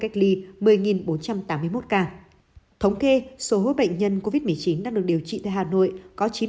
cách ly một mươi bốn trăm tám mươi một ca thống kê số bệnh nhân covid một mươi chín đang được điều trị tại hà nội có chín mươi chín